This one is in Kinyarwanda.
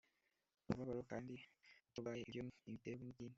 umubabaro kandi utarwaye Ibyo ntibiterwa n ikindi